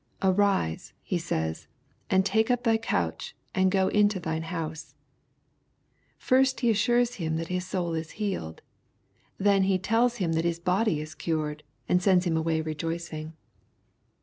"Arise/' He says, * and take up thy couch, and go into thine house/' First He assures him that his soul is healed. Then He tells him that his body is cured, and sends him away rejoicing.